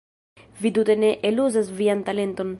Vi tute ne eluzas vian talenton.